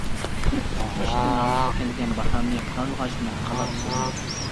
قىشتىن ھالقىپ كەلگەن باھارنى، قارلىغاچمۇ قالار سېغىنىپ.